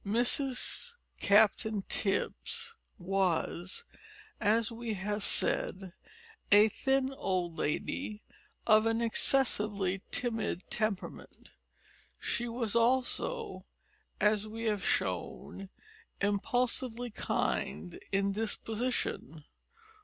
Mrs Captain Tipps was, as we have said, a thin old lady of an excessively timid temperament. She was also, as we have shown, impulsively kind in disposition.